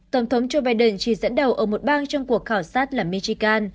tổng thống joe biden chỉ dẫn đầu ở một bang trong cuộc khảo sát là michikan